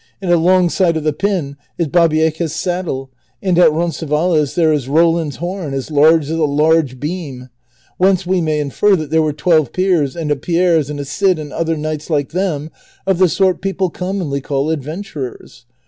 And alongside of the ])in is Babieca's saddle, and at Roncesvalles there is Roland's horn, as large as a large beam ;"^ whence we may infer that there were Twelve Peers, and a Pierres, and a Cid, and other knights like them, of the sort people commonly call advent urers.